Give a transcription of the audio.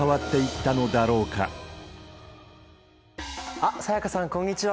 あっ才加さんこんにちは！